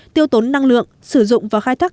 tiêu tốn năng lượng sử dụng và khai thác